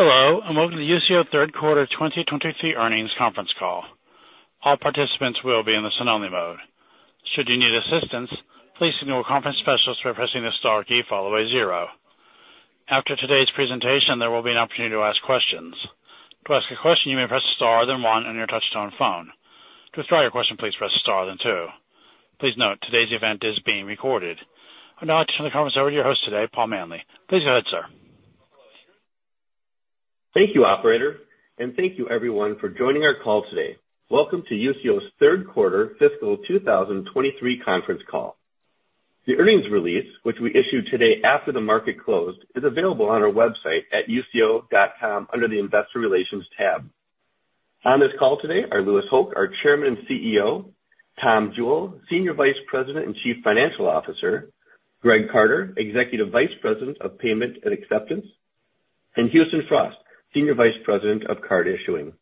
Hello, and welcome to Usio third quarter 2023 Earnings Conference Call. All participants will be in the listen-only mode. Should you need assistance, please signal a conference specialist by pressing the star key, followed by zero. After today's presentation, there will be an opportunity to ask questions. To ask a question, you may press star, then one on your touchtone phone. To withdraw your question, please press star, then two. Please note, today's event is being recorded. I'd now like to turn the conference over to your host today, Paul Manley. Please go ahead, sir. Thank you, operator, and thank you everyone for joining our call today. Welcome to Usio's Third Quarter Fiscal 2023 Conference Call. The earnings release, which we issued today after the market closed, is available on our website at usio.com under the Investor Relations tab. On this call today are Louis Hoch, our Chairman and CEO, Tom Jewell, Senior Vice President and Chief Financial Officer, Greg Carter, Executive Vice President of Payment Acceptance, and Houston Frost, Senior Vice President of Card Issuing.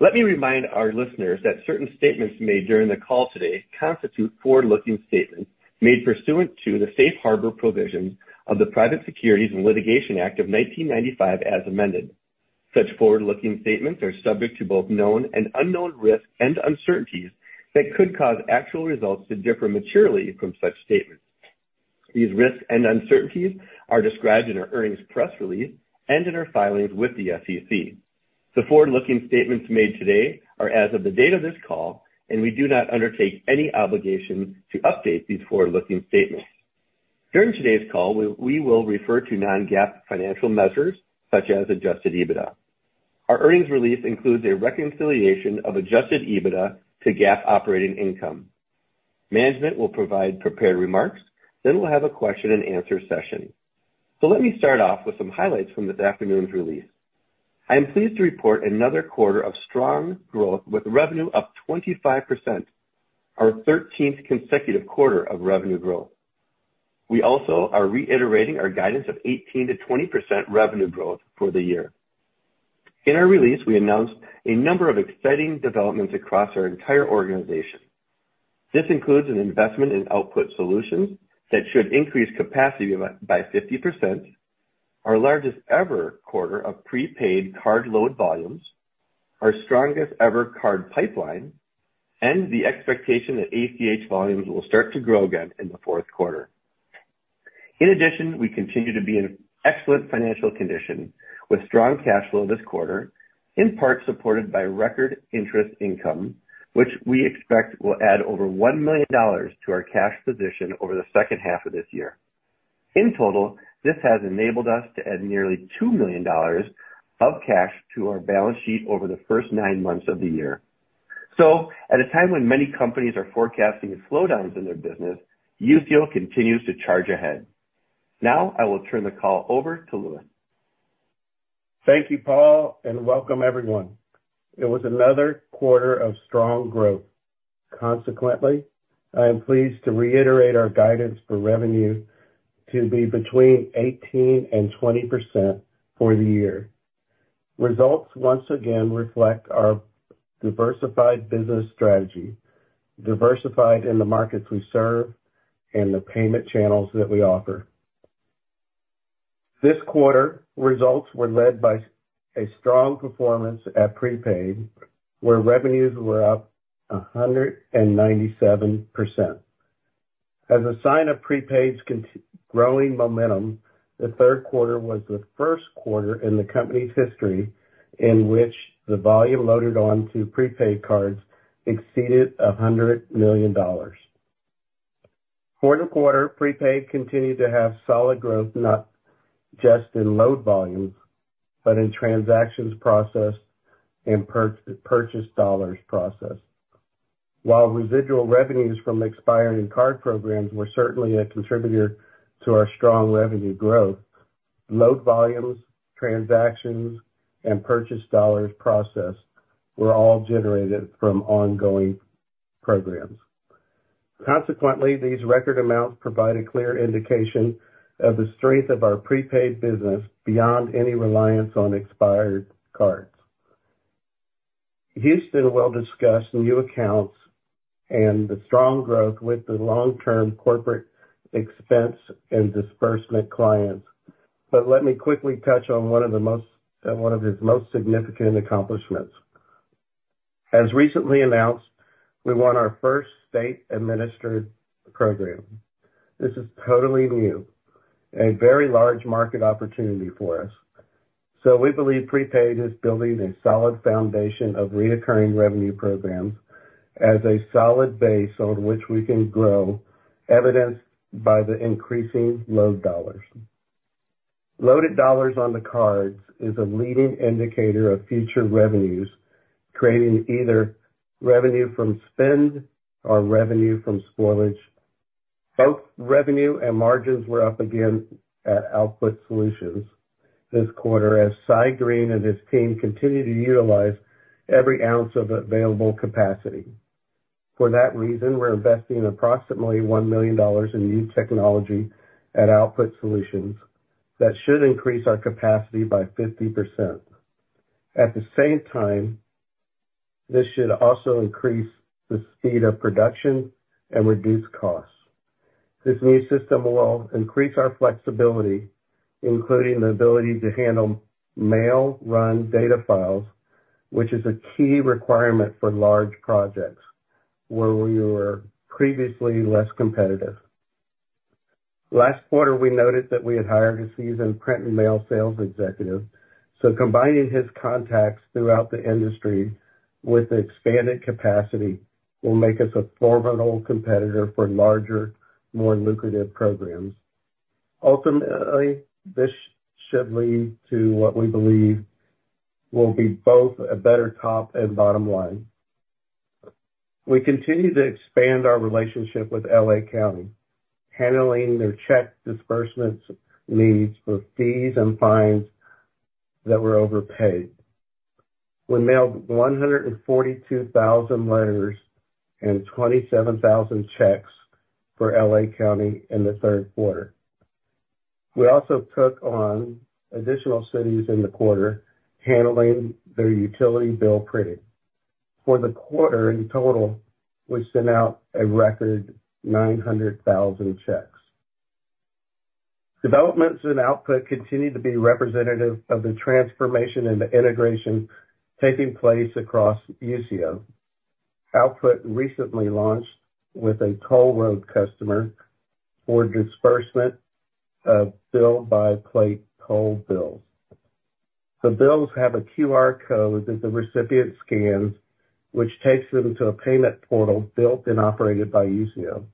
Let me remind our listeners that certain statements made during the call today constitute forward-looking statements made pursuant to the Safe Harbor Provisions of the Private Securities Litigation Reform Act of 1995, as amended. Such forward-looking statements are subject to both known and unknown risks and uncertainties that could cause actual results to differ materially from such statements. These risks and uncertainties are described in our earnings press release and in our filings with the SEC. The forward-looking statements made today are as of the date of this call, and we do not undertake any obligation to update these forward-looking statements. During today's call, we will refer to non-GAAP financial measures such as Adjusted EBITDA. Our earnings release includes a reconciliation of Adjusted EBITDA to GAAP operating income. Management will provide prepared remarks, then we'll have a question-and-answer session. So let me start off with some highlights from this afternoon's release. I am pleased to report another quarter of strong growth with revenue up 25%, our thirteenth consecutive quarter of revenue growth. We also are reiterating our guidance of 18%-20% revenue growth for the year. In our release, we announced a number of exciting developments across our entire organization. This includes an investment in Output Solutions that should increase capacity by 50%, our largest-ever quarter of prepaid card load volumes, our strongest-ever card pipeline, and the expectation that ACH volumes will start to grow again in the fourth quarter. In addition, we continue to be in excellent financial condition with strong cash flow this quarter, in part supported by record interest income, which we expect will add over $1 million to our cash position over the second half of this year. In total, this has enabled us to add nearly $2 million of cash to our balance sheet over the first nine months of the year. So at a time when many companies are forecasting slowdowns in their business, Usio continues to charge ahead. Now, I will turn the call over to Louis. Thank you, Paul, and welcome everyone. It was another quarter of strong growth. Consequently, I am pleased to reiterate our guidance for revenue to be between 18%-20% for the year. Results once again reflect our diversified business strategy, diversified in the markets we serve and the payment channels that we offer. This quarter, results were led by a strong performance at prepaid, where revenues were up 197%. As a sign of prepaid's growing momentum, the third quarter was the first quarter in the company's history in which the volume loaded onto prepaid cards exceeded $100 million. Quarter to quarter, prepaid continued to have solid growth, not just in load volumes, but in transactions processed and purchase dollars processed. While residual revenues from expiring card programs were certainly a contributor to our strong revenue growth, load volumes, transactions, and purchase dollars processed were all generated from ongoing programs. Consequently, these record amounts provide a clear indication of the strength of our prepaid business beyond any reliance on expired cards. Houston will discuss new accounts and the strong growth with the long-term corporate expense and disbursement clients. But let me quickly touch on one of his most significant accomplishments. As recently announced, we won our first state-administered program. This is totally new, a very large market opportunity for us. So we believe prepaid is building a solid foundation of recurring revenue programs as a solid base on which we can grow, evidenced by the increasing load dollars. Loaded dollars on the cards is a leading indicator of future revenues, creating either revenue from spend or revenue from spoilage. Both revenue and margins were up again at Output Solutions this quarter, as Cye Green and his team continue to utilize every ounce of available capacity. For that reason, we're investing approximately $1 million in new technology at Output Solutions that should increase our capacity by 50%. At the same time, this should also increase the speed of production and reduce costs. This new system will increase our flexibility, including the ability to handle mail run data files, which is a key requirement for large projects where we were previously less competitive. Last quarter, we noted that we had hired a seasoned print and mail sales executive, so combining his contacts throughout the industry with expanded capacity will make us a formidable competitor for larger, more lucrative programs. Ultimately, this should lead to what we believe will be both a better top and bottom line. We continue to expand our relationship with L.A. County, handling their check disbursement needs for fees and fines that were overpaid. We mailed 142,000 letters and 27,000 checks for L.A. County in the third quarter. We also took on additional cities in the quarter, handling their utility bill printing. For the quarter, in total, we sent out a record 900,000 checks. Developments in output continue to be representative of the transformation and the integration taking place across Usio. Output recently launched with a toll road customer for disbursement of bill-by-plate toll bills. The bills have a QR Code that the recipient scans, which takes them to a payment portal built and operated by Usio.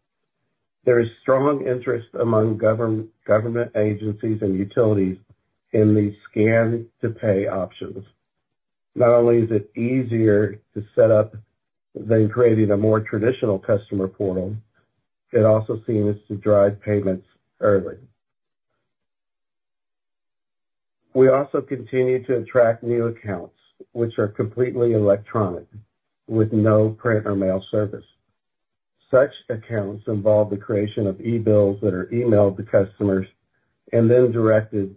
There is strong interest among government agencies and utilities in these scan-to-pay options. Not only is it easier to set up than creating a more traditional customer portal, it also seems to drive payments early. We also continue to attract new accounts which are completely electronic, with no print or mail service. Such accounts involve the creation of e-bills that are emailed to customers and then directed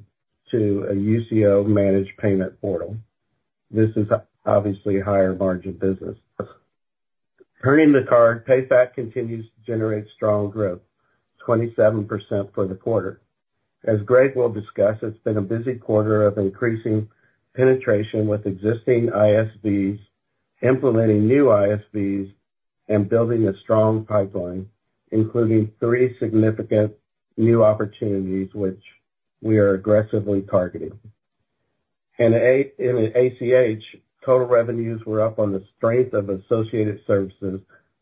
to a Usio-managed payment portal. This is obviously a higher margin business. Turning to the card, PayFac continues to generate strong growth, 27% for the quarter. As Greg will discuss, it's been a busy quarter of increasing penetration with existing ISVs, implementing new ISVs, and building a strong pipeline, including three significant new opportunities which we are aggressively targeting. In ACH, total revenues were up on the strength of associated services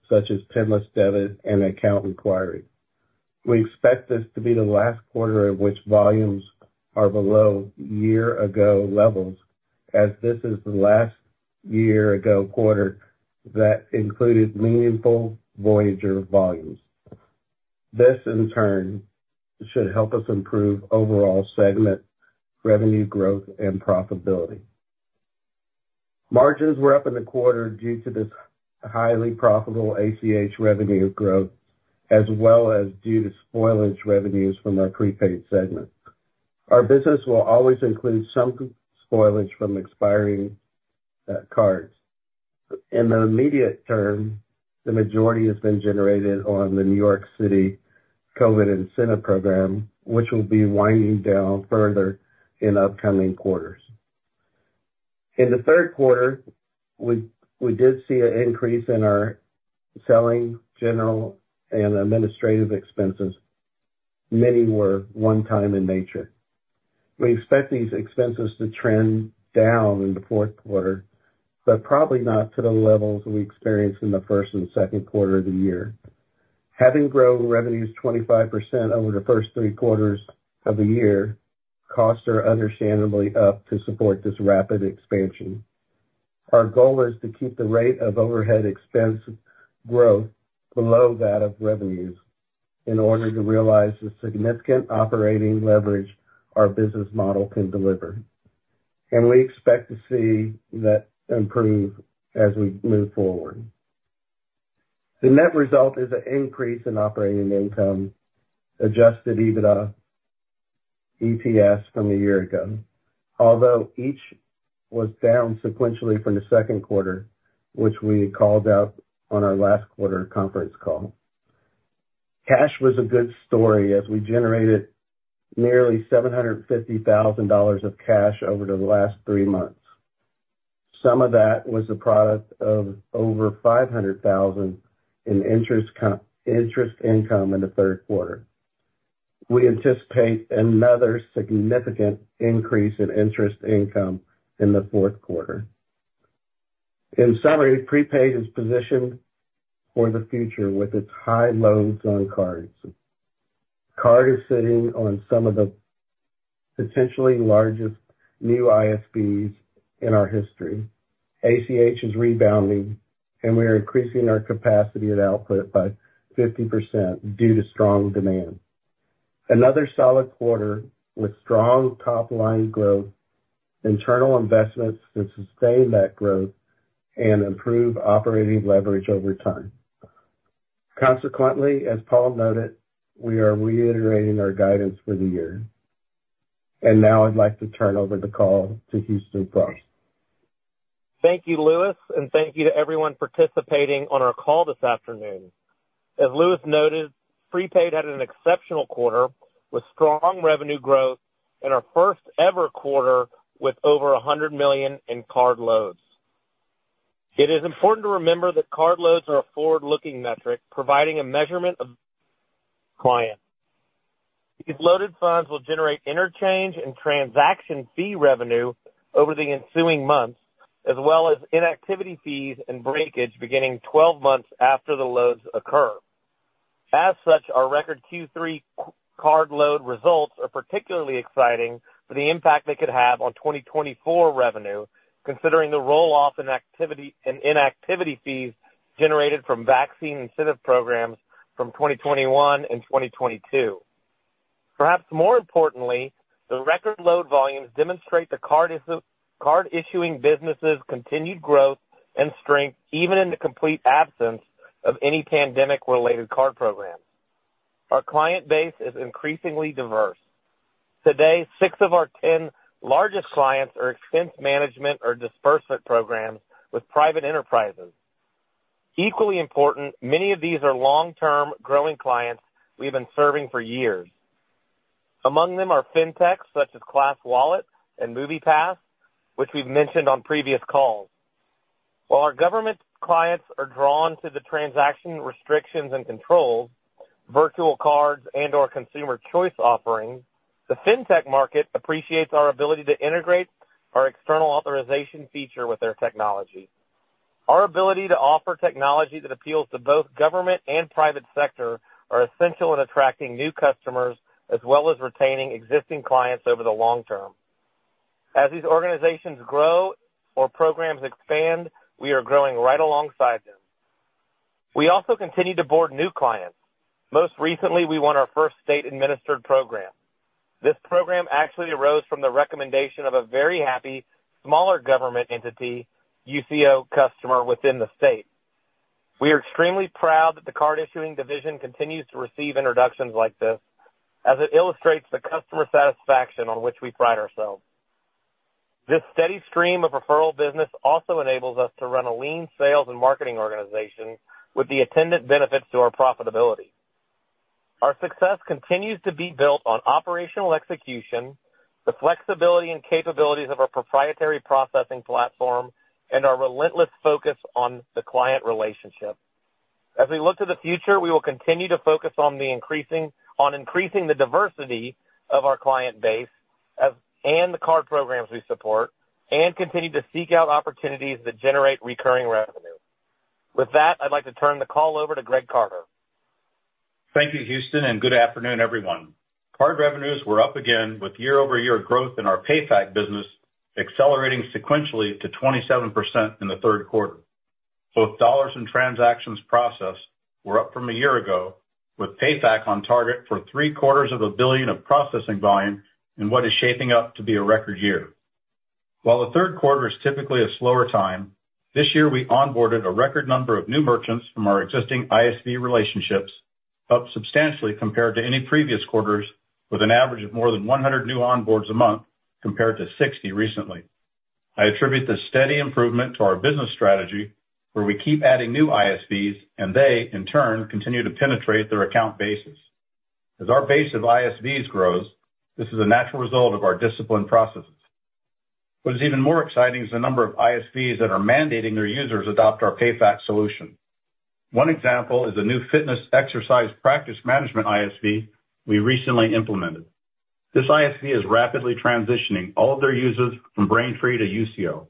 such as PINless Debit and account inquiry. We expect this to be the last quarter in which volumes are below year-ago levels, as this is the last year-ago quarter that included meaningful Voyager volumes. This, in turn, should help us improve overall segment revenue growth and profitability. Margins were up in the quarter due to this highly profitable ACH revenue growth, as well as due to spoilage revenues from our prepaid segment. Our business will always include some spoilage from expiring cards. In the immediate term, the majority has been generated on the New York City COVID incentive program, which will be winding down further in upcoming quarters. In the third quarter, we did see an increase in our selling, general, and administrative expenses. Many were one-time in nature. We expect these expenses to trend down in the fourth quarter, but probably not to the levels we experienced in the first and second quarter of the year. Having grown revenues 25% over the first three quarters of the year, costs are understandably up to support this rapid expansion. Our goal is to keep the rate of overhead expense growth below that of revenues in order to realize the significant operating leverage our business model can deliver, and we expect to see that improve as we move forward. The net result is an increase in operating income, Adjusted EBITDA, EPS from a year ago, although each was down sequentially from the second quarter, which we called out on our last quarter conference call. Cash was a good story as we generated nearly $750,000 of cash over the last three months. Some of that was a product of over $500,000 in interest income in the third quarter. We anticipate another significant increase in interest income in the fourth quarter. In summary, Prepaid is positioned for the future with its high load zone cards. Card is sitting on some of the potentially largest new ISVs in our history. ACH is rebounding, and we are increasing our capacity at output by 50% due to strong demand. Another solid quarter with strong top-line growth, internal investments to sustain that growth, and improve operating leverage over time. Consequently, as Paul noted, we are reiterating our guidance for the year. And now I'd like to turn over the call to Houston Frost. Thank you, Louis, and thank you to everyone participating on our call this afternoon. As Louis noted, Prepaid had an exceptional quarter, with strong revenue growth and our first-ever quarter with over $100 million in card loads. It is important to remember that card loads are a forward-looking metric, providing a measurement of client. These loaded funds will generate interchange and transaction fee revenue over the ensuing months, as well as inactivity fees and breakage beginning 12 months after the loads occur. As such, our record Q3 card load results are particularly exciting for the impact they could have on 2024 revenue, considering the roll-off and activity and inactivity fees generated from vaccine incentive programs from 2021 and 2022. Perhaps more importantly, the record load volumes demonstrate the card issuing business's continued growth and strength, even in the complete absence of any pandemic-related card programs. Our client base is increasingly diverse. Today, six of our ten largest clients are expense management or disbursement programs with private enterprises. Equally important, many of these are long-term, growing clients we've been serving for years. Among them are fintechs, such as ClassWallet and MoviePass, which we've mentioned on previous calls. While our government clients are drawn to the transaction restrictions and controls, virtual cards and/or consumer choice offerings, the fintech market appreciates our ability to integrate our external authorization feature with their technology. Our ability to offer technology that appeals to both government and private sector are essential in attracting new customers, as well as retaining existing clients over the long term. As these organizations grow or programs expand, we are growing right alongside them. We also continue to board new clients. Most recently, we won our first state-administered program. This program actually arose from the recommendation of a very happy, smaller government entity, Usio customer within the state. We are extremely proud that the card issuing division continues to receive introductions like this, as it illustrates the customer satisfaction on which we pride ourselves. This steady stream of referral business also enables us to run a lean sales and marketing organization with the attendant benefits to our profitability. Our success continues to be built on operational execution, the flexibility and capabilities of our proprietary processing platform, and our relentless focus on the client relationship. As we look to the future, we will continue to focus on increasing the diversity of our client base, and the card programs we support, and continue to seek out opportunities that generate recurring revenue. With that, I'd like to turn the call over to Greg Carter. Thank you, Houston, and good afternoon, everyone. Card revenues were up again with year-over-year growth in our PayFac business, accelerating sequentially to 27% in the third quarter. Both dollars and transactions processed were up from a year ago, with PayFac on target for $750 million of processing volume in what is shaping up to be a record year. While the third quarter is typically a slower time, this year we onboarded a record number of new merchants from our existing ISV relationships, up substantially compared to any previous quarters, with an average of more than 100 new onboards a month, compared to 60 recently. I attribute this steady improvement to our business strategy, where we keep adding new ISVs, and they, in turn, continue to penetrate their account bases. As our base of ISVs grows, this is a natural result of our disciplined processes. What is even more exciting is the number of ISVs that are mandating their users adopt our PayFac solution. One example is a new fitness exercise practice management ISV we recently implemented. This ISV is rapidly transitioning all of their users from Braintree to Usio.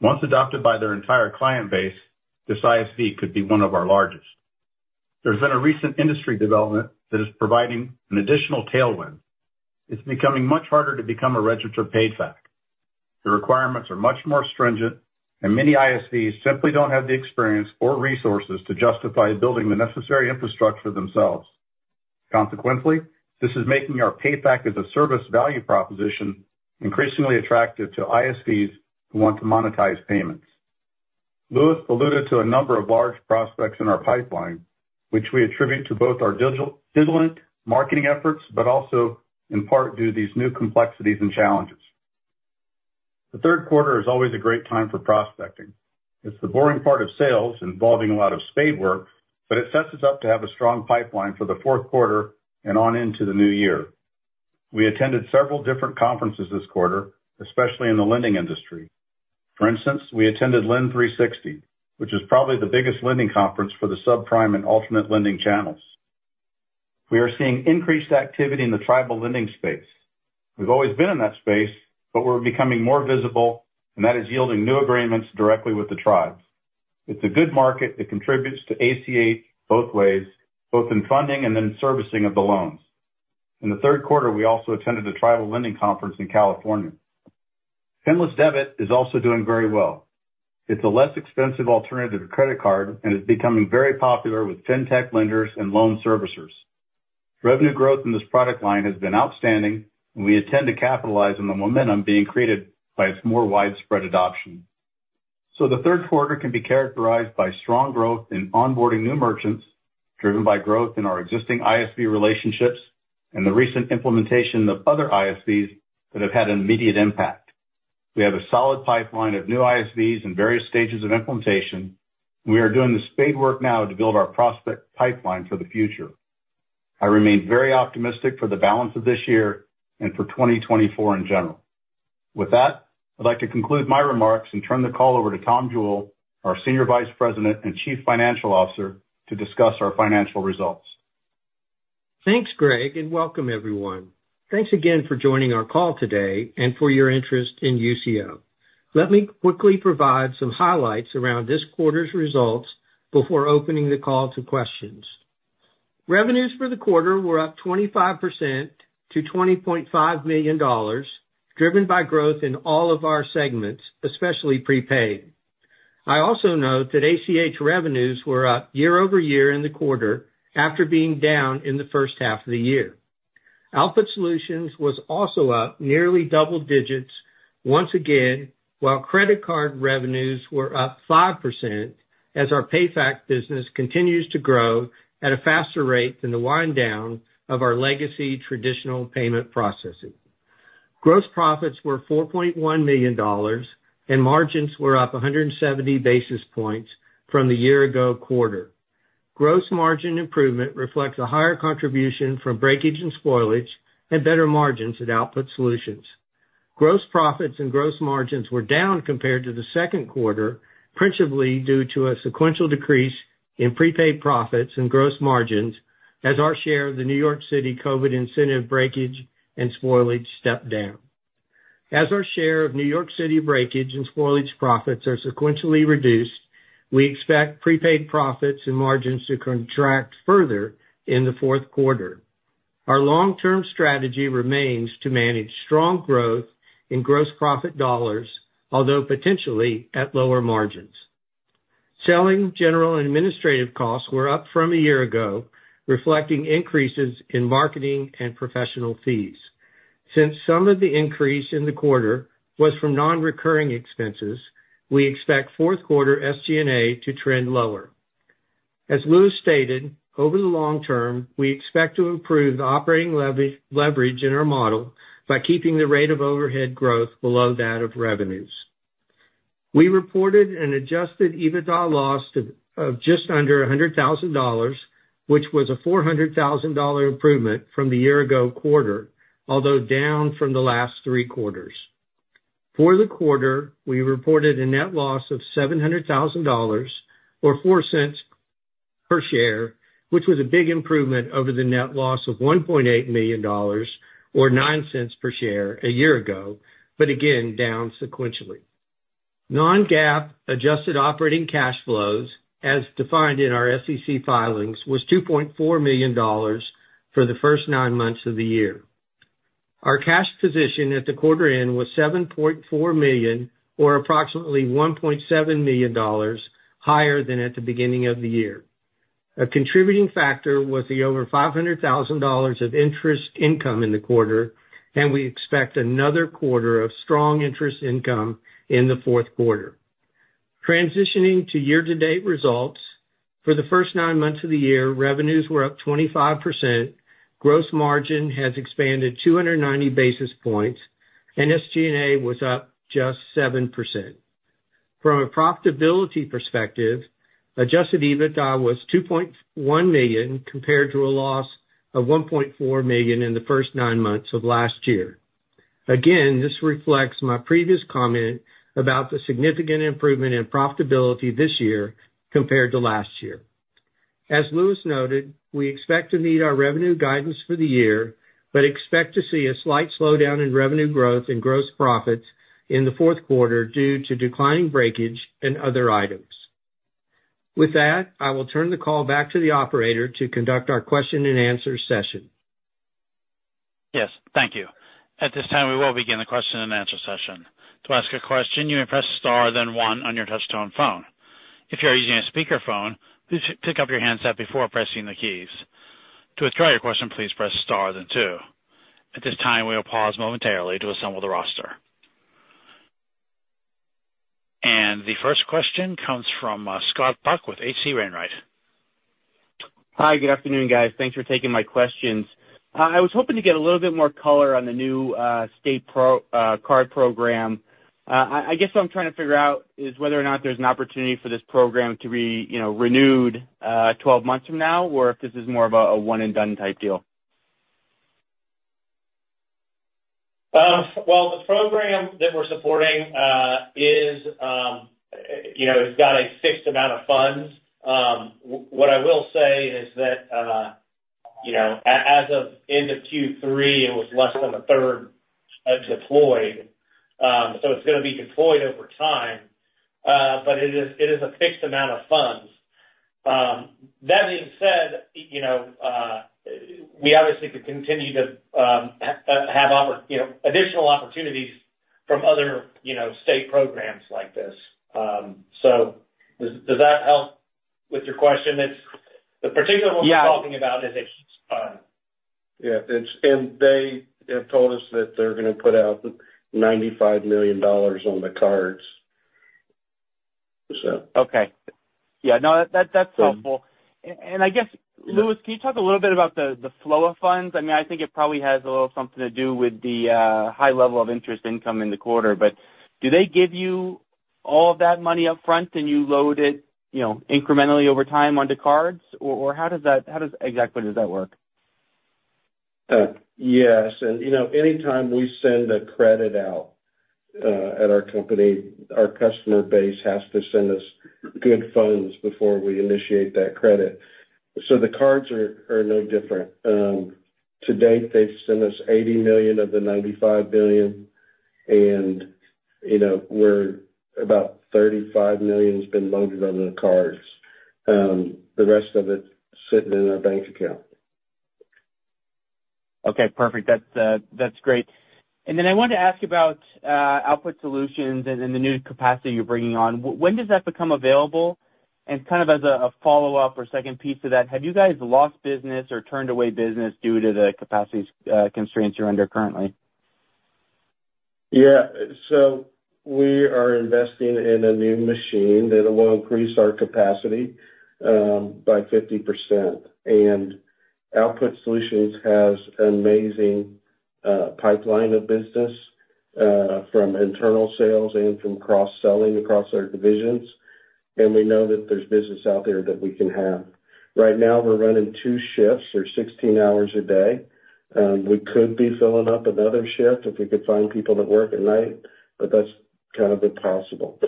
Once adopted by their entire client base, this ISV could be one of our largest. There's been a recent industry development that is providing an additional tailwind. It's becoming much harder to become a registered PayFac. The requirements are much more stringent, and many ISVs simply don't have the experience or resources to justify building the necessary infrastructure themselves. Consequently, this is making our PayFac-as-a-Service value proposition increasingly attractive to ISVs who want to monetize payments. Louis alluded to a number of large prospects in our pipeline, which we attribute to both our digital vigilant marketing efforts, but also in part due to these new complexities and challenges. The third quarter is always a great time for prospecting. It's the boring part of sales, involving a lot of spade work, but it sets us up to have a strong pipeline for the fourth quarter and on into the new year. We attended several different conferences this quarter, especially in the lending industry. For instance, we attended Lend360, which is probably the biggest lending conference for the subprime and ultimate lending channels. We are seeing increased activity in the tribal lending space. We've always been in that space, but we're becoming more visible, and that is yielding new agreements directly with the tribes. It's a good market that contributes to ACH both ways, both in funding and in servicing of the loans. In the third quarter, we also attended a tribal lending conference in California. PINless debit is also doing very well. It's a less expensive alternative to credit card and is becoming very popular with Fintech lenders and loan servicers. Revenue growth in this product line has been outstanding, and we intend to capitalize on the momentum being created by its more widespread adoption. The third quarter can be characterized by strong growth in onboarding new merchants, driven by growth in our existing ISV relationships and the recent implementation of other ISVs that have had an immediate impact. We have a solid pipeline of new ISVs in various stages of implementation. We are doing the spadework now to build our prospect pipeline for the future. I remain very optimistic for the balance of this year and for 2024 in general. With that, I'd like to conclude my remarks and turn the call over to Tom Jewell, our Senior Vice President and Chief Financial Officer, to discuss our financial results. Thanks, Greg, and welcome everyone. Thanks again for joining our call today and for your interest in Usio. Let me quickly provide some highlights around this quarter's results before opening the call to questions. Revenues for the quarter were up 25% to $20.5 million, driven by growth in all of our segments, especially prepaid. I also note that ACH revenues were up year-over-year in the quarter after being down in the first half of the year. Output Solutions was also up nearly double digits once again, while credit card revenues were up 5% as our PayFac business continues to grow at a faster rate than the wind down of our legacy traditional payment processing. Gross profits were $4.1 million, and margins were up 170 basis points from the year ago quarter. Gross margin improvement reflects a higher contribution from breakage and spoilage and better margins at Output Solutions. Gross profits and gross margins were down compared to the second quarter, principally due to a sequential decrease in prepaid profits and gross margins as our share of the New York City COVID incentive breakage and spoilage stepped down. As our share of New York City breakage and spoilage profits are sequentially reduced, we expect prepaid profits and margins to contract further in the fourth quarter. Our long-term strategy remains to manage strong growth in gross profit dollars, although potentially at lower margins. Selling, general, and administrative costs were up from a year ago, reflecting increases in marketing and professional fees. Since some of the increase in the quarter was from non-recurring expenses, we expect fourth quarter SG&A to trend lower. As Lewis stated, over the long term, we expect to improve the operating leverage in our model by keeping the rate of overhead growth below that of revenues. We reported an adjusted EBITDA loss of just under $100,000, which was a $400,000 improvement from the year ago quarter, although down from the last three quarters. For the quarter, we reported a net loss of $700,000, or $4 per share, which was a big improvement over the net loss of $1.8 million or $9 per share a year ago, but again, down sequentially. Non-GAAP adjusted operating cash flows, as defined in our SEC filings, was $2.4 million for the first nine months of the year. Our cash position at the quarter end was $7.4 million, or approximately $1.7 million higher than at the beginning of the year. A contributing factor was the over $500,000 of interest income in the quarter, and we expect another quarter of strong interest income in the fourth quarter. Transitioning to year-to-date results, for the first nine months of the year, revenues were up 25%, gross margin has expanded 290 basis points, and SG&A was up just 7%. From a profitability perspective, adjusted EBITDA was $2.1 million, compared to a loss of $1.4 million in the first nine months of last year. Again, this reflects my previous comment about the significant improvement in profitability this year compared to last year. As Louis noted, we expect to meet our revenue guidance for the year, but expect to see a slight slowdown in revenue growth and gross profits in the fourth quarter due to declining breakage and other items. With that, I will turn the call back to the operator to conduct our question-and-answer session. Yes, thank you. At this time, we will begin the question-and-answer session. To ask a question, you may press star then one on your touchtone phone. If you are using a speakerphone, please pick up your handset before pressing the keys. To withdraw your question, please press star then two. At this time, we will pause momentarily to assemble the roster. And the first question comes from Scott Buck with H.C. Wainwright. Hi, good afternoon, guys. Thanks for taking my questions. I was hoping to get a little bit more color on the new state prepaid card program. I guess what I'm trying to figure out is whether or not there's an opportunity for this program to be, you know, renewed 12 months from now, or if this is more of a one and done type deal? Well, the program that we're supporting is, you know, it's got a fixed amount of funds. What I will say is that, you know, as of end of Q3, it was less than a third deployed. So it's gonna be deployed over time, but it is, it is a fixed amount of funds. That being said, you know, we obviously could continue to have, you know, additional opportunities from other, you know, state programs like this. So does that help with your question? It's the particular one Yeah. We're talking about is it. Yeah, it's and they have told us that they're gonna put out $95 million on the cards, so. Okay. Yeah, no, that, that's helpful. Yeah. I guess, Louis, can you talk a little bit about the flow of funds? I mean, I think it probably has a little something to do with the high level of interest income in the quarter, but do they give you all of that money up front, and you load it, you know, incrementally over time onto cards? Or, how does that, how exactly does that work? Yes, and, you know, anytime we send a credit out, at our company, our customer base has to send us good funds before we initiate that credit. So the cards are no different. To date, they've sent us $80 million of the $95 billion, and, you know, we're about $35 million has been loaded onto the cards. The rest of it is sitting in our bank account. Okay, perfect. That's, that's great. And then I wanted to ask you about Output Solutions and the new capacity you're bringing on. When does that become available? And kind of as a follow-up or second piece to that, have you guys lost business or turned away business due to the capacity constraints you're under currently? Yeah. We are investing in a new machine that will increase our capacity by 50%. Output Solutions has an amazing pipeline of business from internal sales and from cross-selling across our divisions. We know that there's business out there that we can have. Right now, we're running 2 shifts or 16 hours a day. We could be filling up another shift if we could find people to work at night, but that's kind of impossible.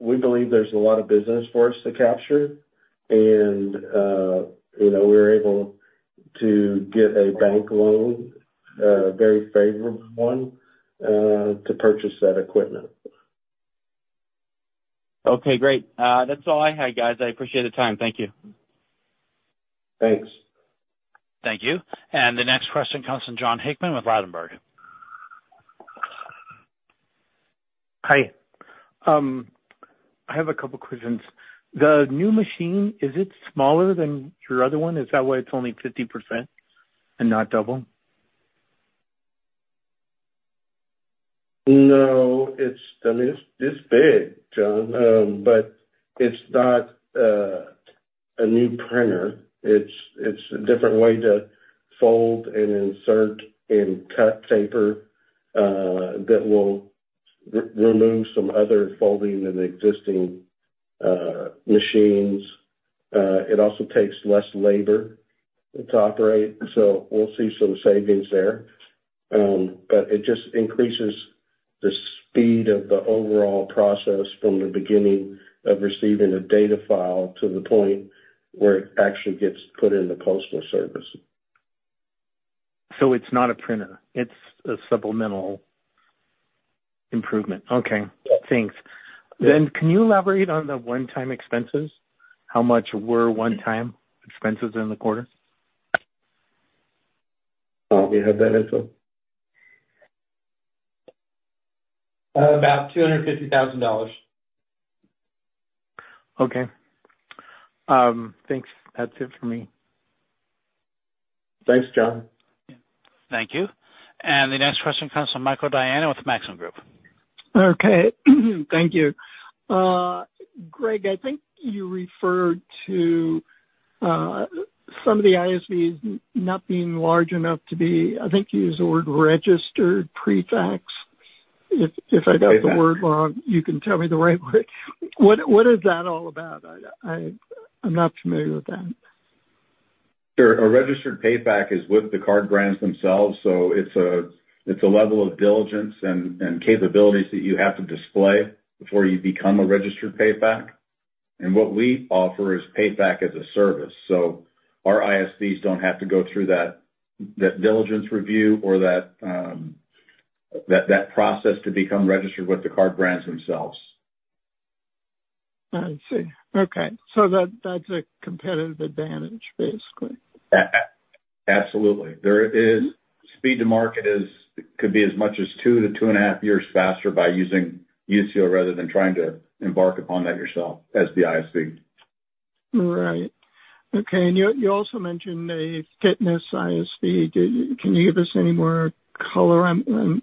We believe there's a lot of business for us to capture. You know, we're able to get a bank loan, a very favorable one, to purchase that equipment. Okay, great. That's all I had, guys. I appreciate the time. Thank you. Thanks. Thank you. And the next question comes from Jon Hickman with Ladenburg. Hi. I have a couple questions. The new machine, is it smaller than your other one? Is that why it's only 50% and not double? No, it's, I mean, it's big, John, but it's not a new printer. It's a different way to fold and insert and cut paper that will re-remove some other folding and existing machines. It also takes less labor to operate, so we'll see some savings there. But it just increases the speed of the overall process from the beginning of receiving a data file to the point where it actually gets put in the postal service. It's not a printer, it's a supplemental improvement. Okay. Yeah. Thanks. Yeah. Can you elaborate on the one-time expenses? How much were one-time expenses in the quarter? Do you have that, Cecil? About $250 thousand. Okay. Thanks. That's it for me. Thanks, John. Thank you. The next question comes from Michael Diana with Maxim Group. Okay. Thank you. Greg, I think you referred to some of the ISVs not being large enough to be I think you used the word registered PayFac. Yeah. If I got the word wrong, you can tell me the right way. What is that all about? I'm not familiar with that. Sure. A registered PayFac is with the card brands themselves, so it's a level of diligence and capabilities that you have to display before you become a registered PayFac. And what we offer is PayFac as a service, so our ISVs don't have to go through that diligence review or that process to become registered with the card brands themselves. I see. Okay. So that, that's a competitive advantage, basically? Absolutely. Speed to market is, could be as much as two to 2.5 years faster by using Usio rather than trying to embark upon that yourself as the ISV. Right. Okay. And you also mentioned a fitness ISV. Can you give us any more color on,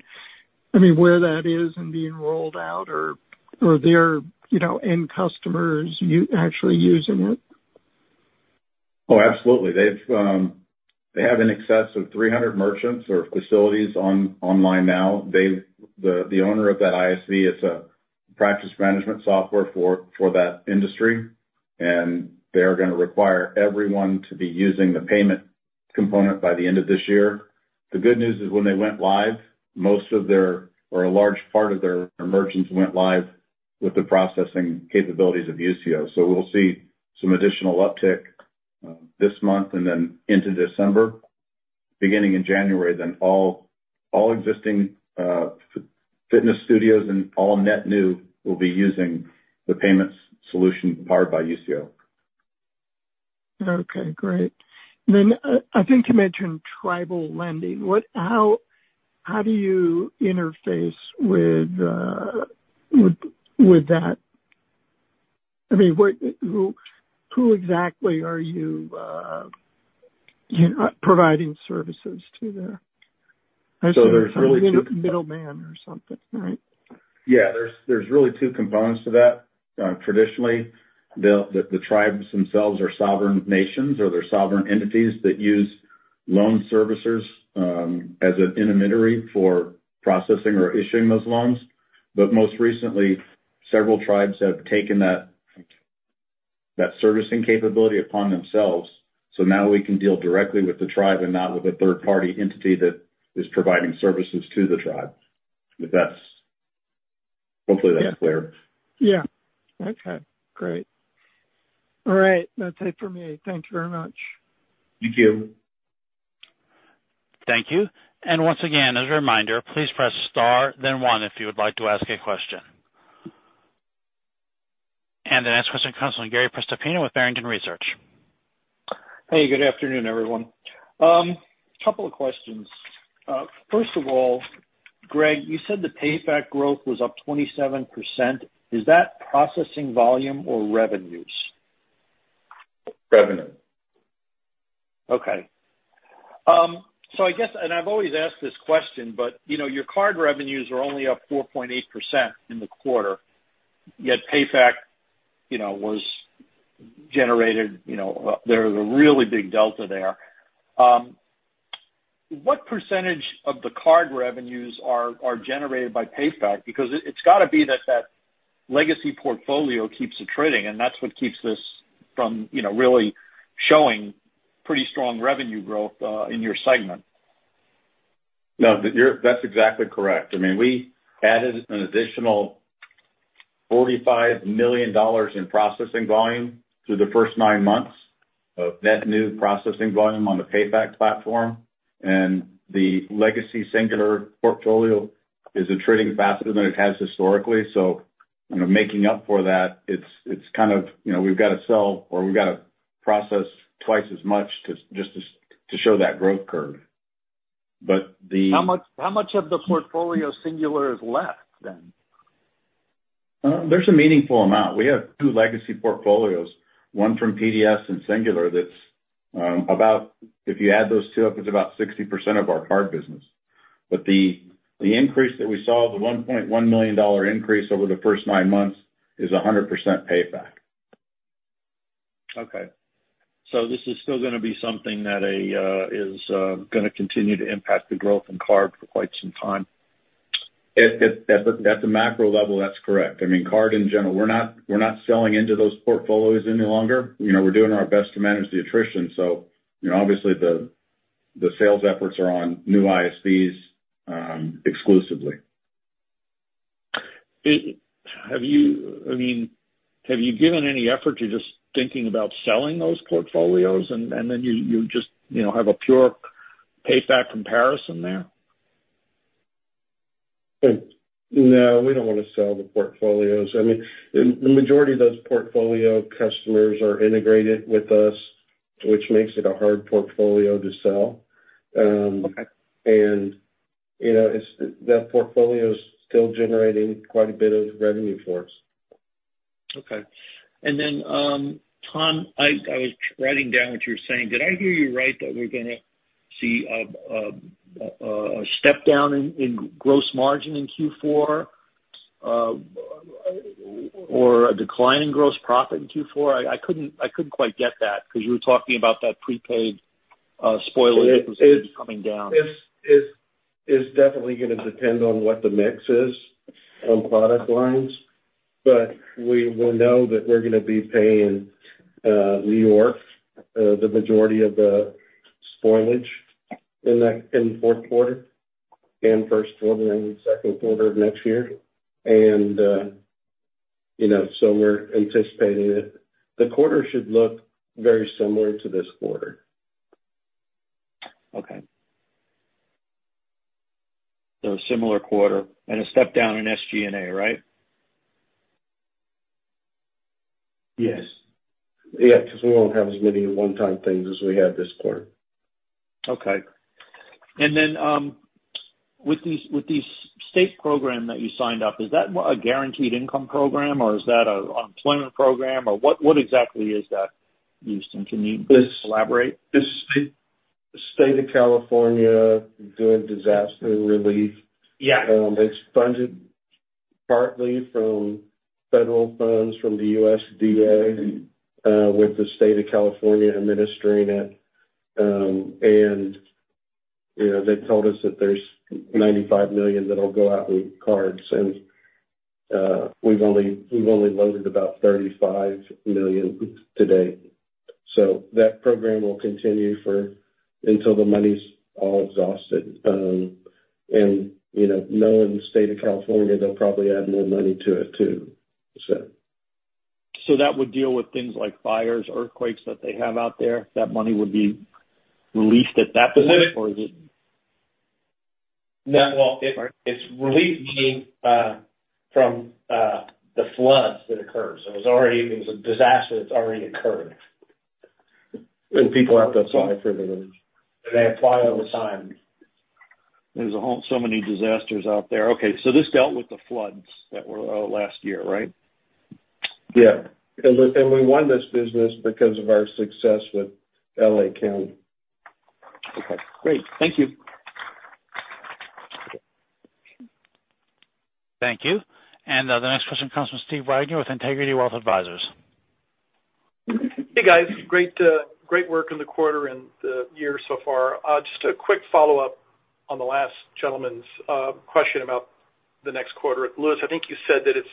I mean, where that is in being rolled out or, or are there, you know, end customers actually using it? Oh, absolutely. They've they have in excess of 300 merchants or facilities online now. The owner of that ISV is a practice management software for that industry, and they are gonna require everyone to be using the payment component by the end of this year. The good news is when they went live, most of their, or a large part of their merchants went live with the processing capabilities of Usio. So we'll see some additional uptick this month and then into December. Beginning in January, then all existing fitness studios and all net new will be using the payments solution powered by Usio. Okay, great. Then, I think you mentioned tribal lending. What how do you interface with, with, with that? I mean, what, who, who exactly are you, you know, providing services to there? So there's really Middleman or something, right? Yeah, there's really two components to that. Traditionally, the tribes themselves are sovereign nations, or they're sovereign entities that use loan servicers as an intermediary for processing or issuing those loans. But most recently, several tribes have taken that servicing capability upon themselves. So now we can deal directly with the tribe and not with a third-party entity that is providing services to the tribe. But that's. Hopefully, that's clear. Yeah. Okay, great. All right. That's it for me. Thank you very much. Thank you. Thank you. Once again, as a reminder, please press star then one, if you would like to ask a question. The next question comes from Gary Prestopino with Barrington Research. Hey, good afternoon, everyone. Couple of questions. First of all, Greg, you said the PayFac growth was up 27%. Is that processing volume or revenues? Revenue. Okay. So I guess, and I've always asked this question, but, you know, your card revenues are only up 4.8% in the quarter, yet PayFac, you know, was generated, you know, there's a really big delta there. What percentage of the card revenues are generated by PayFac? Because it's got to be that legacy portfolio keeps attriting, and that's what keeps this from, you know, really showing pretty strong revenue growth in your segment. No, you're. That's exactly correct. I mean, we added an additional $45 million in processing volume through the first nine months of net new processing volume on the PayFac platform, and the legacy Singular portfolio is attriting faster than it has historically. So, you know, making up for that, it's kind of, you know, we've got to sell, or we've got to process twice as much, just to show that growth curve. But the How much, how much of the portfolio Singular is left then? There's a meaningful amount. We have two legacy portfolios, one from PDS and Singular, that's about. If you add those two up, it's about 60% of our card business. But the increase that we saw, the $1.1 million increase over the first nine months, is 100% PayFac. Okay. So this is still gonna be something that is gonna continue to impact the growth in Card for quite some time. If at the macro level, that's correct. I mean, card in general, we're not selling into those portfolios any longer. You know, we're doing our best to manage the attrition. So, you know, obviously the sales efforts are on new ISVs exclusively. Have you I mean, have you given any effort to just thinking about selling those portfolios, and then you just, you know, have a pure PayFac comparison there? No, we don't want to sell the portfolios. I mean, the majority of those portfolio customers are integrated with us, which makes it a hard portfolio to sell. Okay. You know, that portfolio is still generating quite a bit of revenue for us. Okay. And then, Tom, I was writing down what you were saying. Did I hear you right, that we're gonna see a step down in gross margin in Q4? Or a decline in gross profit in Q4? I couldn't quite get that, because you were talking about that prepaid spoilage coming down. It's definitely going to depend on what the mix is on product lines, but we will know that we're going to be paying New York the majority of the spoilage in that, in the fourth quarter and first quarter and second quarter of next year. And, you know, so we're anticipating it. The quarter should look very similar to this quarter. Okay. So a similar quarter and a step down in SG&A, right? Yes. Yeah, because we won't have as many one-time things as we had this quarter. Okay. And then, with these, with these state program that you signed up, is that a guaranteed income program, or is that a unemployment program, or what, what exactly is that, Houston? Can you elaborate? This, the State of California doing disaster relief. Yeah. It's funded partly from federal funds from the USDA, with the State of California administering it. And, you know, they've told us that there's $95 million that'll go out in cards, and we've only loaded about $35 million today. So that program will continue for until the money's all exhausted. And, you know, knowing the State of California, they'll probably add more money to it too, so. So that would deal with things like fires, earthquakes, that they have out there? That money would be released at that point, or is it- No, well, it's relief from the floods that occurred. So it was a disaster that's already occurred. People have to apply for the relief? They apply all the time. There's a whole so many disasters out there. Okay, so this dealt with the floods that were last year, right? Yeah. And we won this business because of our success with LA County. Okay, great. Thank you. Thank you. And, the next question comes from Steve Ryner with Integrity Wealth Advisors. Hey, guys. Great, great work in the quarter and the year so far. Just a quick follow-up on the last gentleman's question about the next quarter. Lewis, I think you said that it's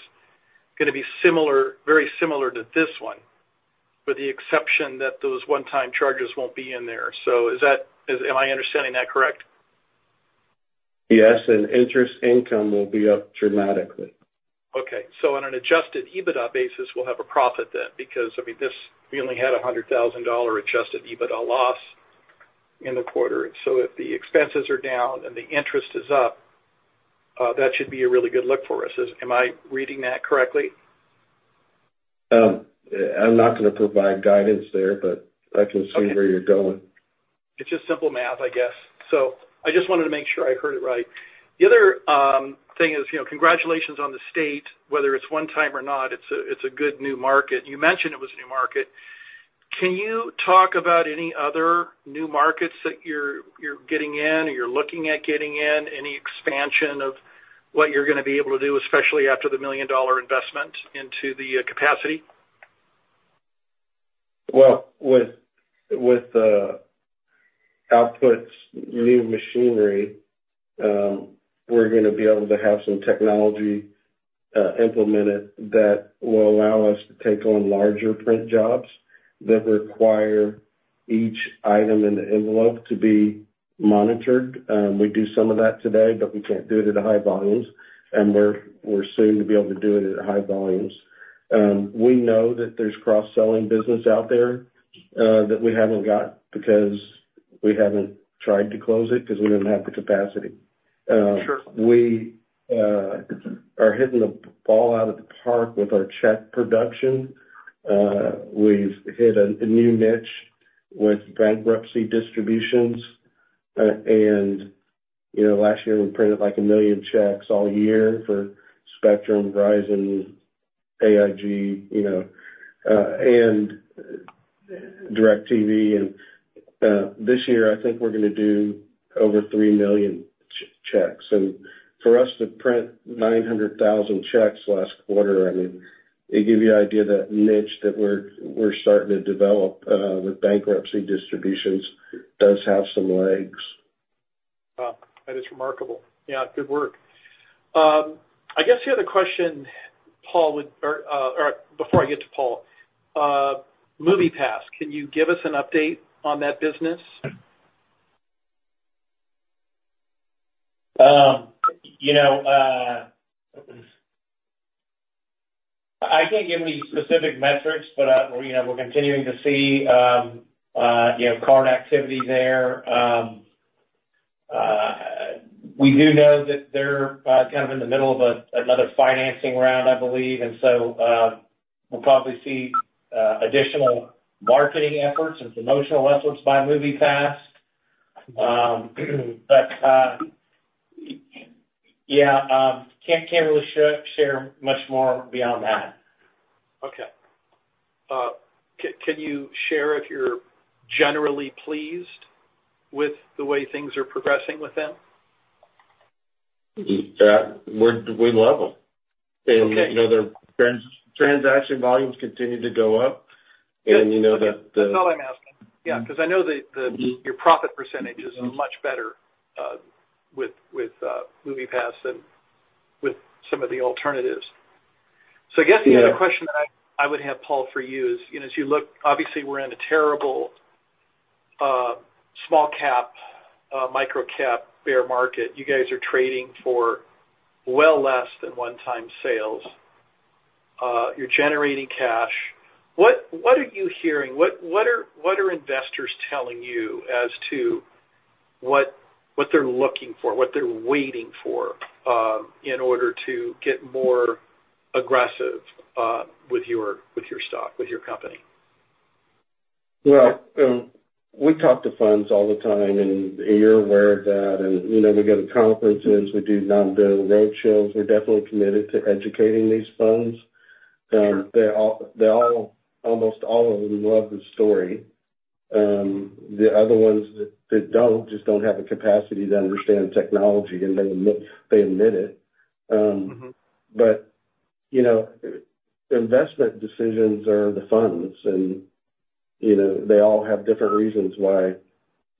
gonna be similar, very similar to this one, with the exception that those one-time charges won't be in there. So is that, is, am I understanding that correct? Yes, and interest income will be up dramatically. Okay. So on an Adjusted EBITDA basis, we'll have a profit then, because, I mean, this, we only had a $100,000 Adjusted EBITDA loss in the quarter. So if the expenses are down and the interest is up, that should be a really good look for us. Am I reading that correctly? I'm not gonna provide guidance there, but I can see where you're going. It's just simple math, I guess. So I just wanted to make sure I heard it right. The other thing is, you know, congratulations on the state, whether it's one time or not, it's a good new market. You mentioned it was a new market. Can you talk about any other new markets that you're getting in or you're looking at getting in? Any expansion of what you're gonna be able to do, especially after the $1 million investment into the capacity? Well, with the Output's new machinery, we're gonna be able to have some technology implemented that will allow us to take on larger print jobs that require each item in the envelope to be monitored. We do some of that today, but we can't do it at high volumes, and we're soon to be able to do it at high volumes. We know that there's cross-selling business out there that we haven't got because we haven't tried to close it because we didn't have the capacity. Sure. We are hitting the ball out of the park with our check production. We've hit a new niche with bankruptcy distributions. And, you know, last year, we printed like 1 million checks all year for Spectrum, Verizon, AIG, you know, and DirecTV. This year, I think we're gonna do over three million checks. And for us to print 900,000 checks last quarter, I mean, it gives you an idea that niche that we're starting to develop with bankruptcy distributions does have some legs. Wow! That is remarkable. Yeah, good work. I guess the other question, Paul, or before I get to Paul, MoviePass, can you give us an update on that business? You know, I can't give any specific metrics, but, you know, we're continuing to see, you know, card activity there. We do know that they're kind of in the middle of another financing round, I believe. And so, we'll probably see additional marketing efforts and promotional efforts by MoviePass. But, yeah, can't really share much more beyond that. Okay. Can you share if you're generally pleased with the way things are progressing with them? We love them. Okay. You know, their transaction volumes continue to go up, and, you know, that the That's all I'm asking. Yeah, because I know the your profit percentage is much better with MoviePass than with some of the alternatives. Yeah. So I guess the other question that I would have, Paul, for you is, you know, as you look, obviously, we're in a terrible small cap micro cap bear market. You guys are trading for well less than one-time sales. You're generating cash. What are you hearing? What are investors telling you as to what they're looking for, what they're waiting for, in order to get more aggressive with your stock, with your company? Well, we talk to funds all the time, and you're aware of that. You know, we go to conferences, we do non-deal roadshows. We're definitely committed to educating these funds. They all, almost all of them love the story. The other ones that don't just don't have the capacity to understand technology, and they admit it. But, you know, investment decisions are the funds, and, you know, they all have different reasons why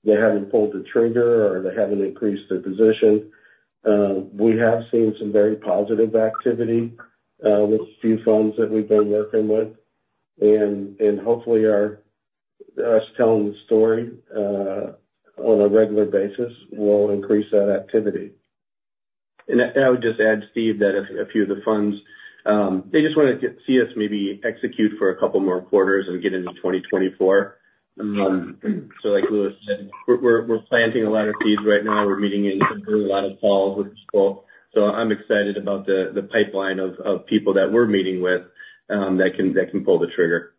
they haven't pulled the trigger or they haven't increased their position. We have seen some very positive activity with a few funds that we've been working with. And hopefully us telling the story on a regular basis will increase that activity. And I would just add, Steve, that a few of the funds, they just want to see us maybe execute for a couple more quarters and get into 2024. So like Louis said, we're planting a lot of seeds right now. We're meeting in a lot of calls, which is cool. So I'm excited about the pipeline of people that we're meeting with that can pull the trigger.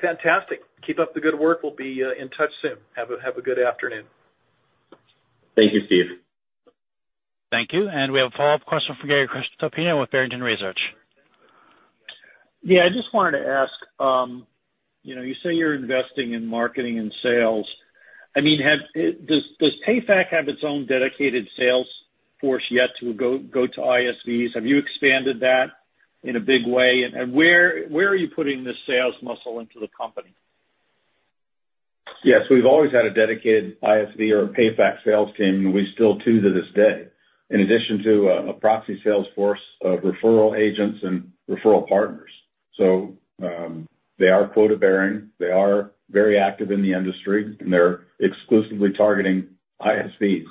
Fantastic! Keep up the good work. We'll be in touch soon. Have a good afternoon. Thank you, Steve. Thank you. We have a follow-up question from Gary Prestopino with Barrington Research. Yeah, I just wanted to ask, you know, you say you're investing in marketing and sales. I mean, does PayFac have its own dedicated sales force yet to go to ISVs? Have you expanded that in a big way? And where are you putting this sales muscle into the company? Yes, we've always had a dedicated ISV or PayFac sales team, and we still do to this day, in addition to a proxy sales force of referral agents and referral partners. So, they are quota bearing, they are very active in the industry, and they're exclusively targeting ISVs.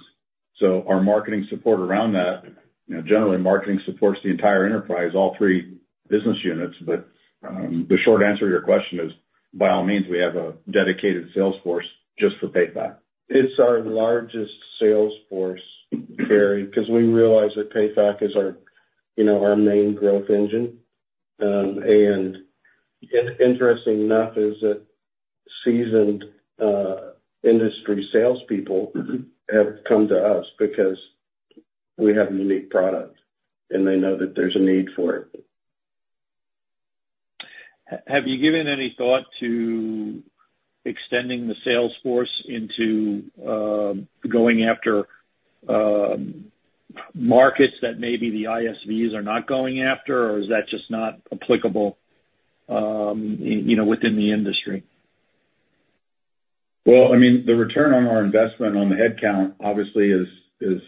So our marketing support around that, you know, generally, marketing supports the entire enterprise, all three business units. But, the short answer to your question is, by all means, we have a dedicated sales force just for PayFac. It's our largest sales force, Gary, because we realize that PayFac is our, you know, our main growth engine. Interesting enough is that seasoned industry salespeople have come to us because we have a unique product, and they know that there's a need for it. Have you given any thought to extending the sales force into going after markets that maybe the ISVs are not going after? Or is that just not applicable, you know, within the industry? Well, I mean, the return on our investment on the headcount obviously, is, is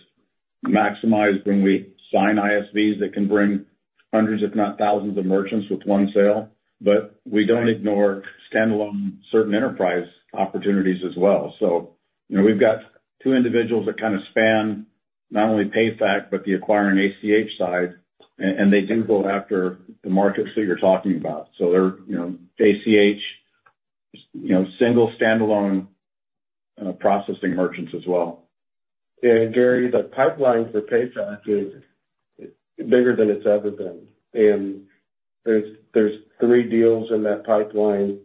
maximized when we sign ISVs that can bring hundreds, if not thousands, of merchants with one sale. But we don't ignore standalone certain enterprise opportunities as well. So, you know, we've got two individuals that kind of span not only PayFac, but the acquiring ACH side, and, and they do go after the markets that you're talking about. So they're, you know, ACH, you know, single standalone, processing merchants as well. And Gary, the pipeline for PayFac is bigger than it's ever been, and there's three deals in that pipeline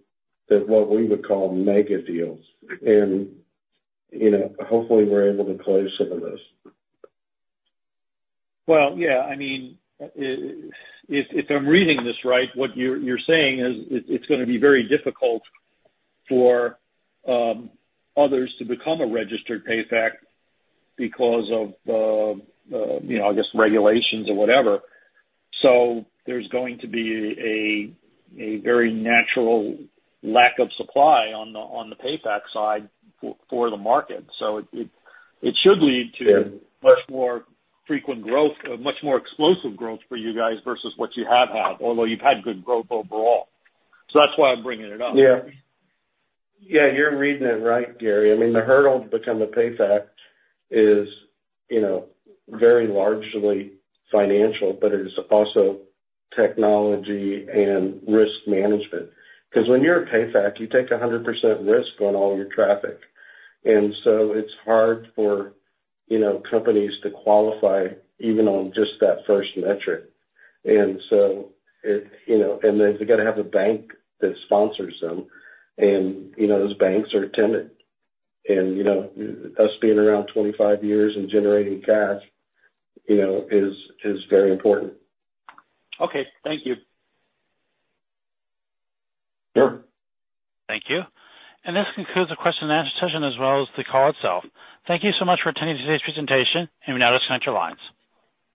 that what we would call mega deals. And, you know, hopefully, we're able to close some of those. Well, yeah, I mean, if, if I'm reading this right, what you're, you're saying is, it, it's gonna be very difficult for, others to become a registered PayFac because of, you know, I guess, regulations or whatever. So there's going to be a, a very natural lack of supply on the, on the PayFac side for, for the market. So it should lead to Yeah Much more frequent growth, much more explosive growth for you guys versus what you have had, although you've had good growth overall. So that's why I'm bringing it up. Yeah. Yeah, you're reading it right, Gary. I mean, the hurdle to become a PayFac is, you know, very largely financial, but it is also technology and risk management. Because when you're a PayFac, you take 100% risk on all your traffic, and so it's hard for, you know, companies to qualify even on just that first metric. And so it you know, and then they've got to have a bank that sponsors them, and, you know, those banks are timid. And, you know, us being around 25 years and generating cash, you know, is, is very important. Okay, thank you. Sure. Thank you. This concludes the question and answer session as well as the call itself. Thank you so much for attending today's presentation, you may now disconnect your lines.